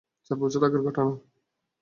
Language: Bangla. চার বছর আগের ঘটনা।